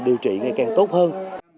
điều trị ngày càng tốt hơn